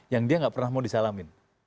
yang dia nggak pernah mau disalamin